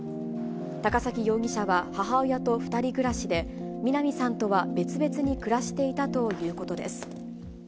高崎容疑者は母親と２人暮らしで、みな美さんとは別々に暮らしていたということです。